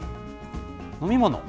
飲み物？